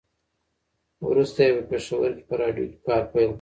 وروسته یې په پېښور کې په راډيو کې کار پیل کړ.